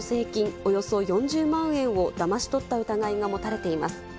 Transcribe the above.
およそ４０万円をだまし取った疑いが持たれています。